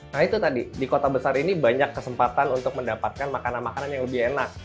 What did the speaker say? nah itu tadi di kota besar ini banyak kesempatan untuk mendapatkan makanan makanan yang lebih enak